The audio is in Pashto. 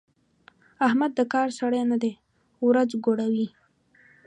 احمد د کار سړی نه دی؛ ورځ ګوډوي.